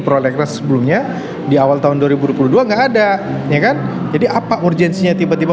proleksa sebelumnya di awal tahun ngeburu buru dua nggak ada ya kan jadi apa urgensinya tiba tiba